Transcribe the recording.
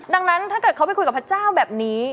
ดังนั้นถ้าเกิดเขาไปคุยกับพระเจ้าแบบนี้